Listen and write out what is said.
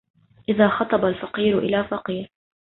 إذا خطب الفقير إلى فقير